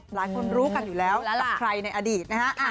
หลายคนรู้กันอยู่แล้วกับใครในอดีตนะฮะ